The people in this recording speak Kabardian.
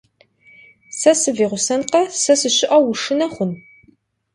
Сэ сывигъусэнкъэ, сэ сыщыӀэу ушынэ хъун?